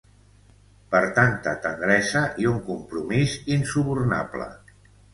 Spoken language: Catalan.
Per tanta tendresa i un compromís insubornable.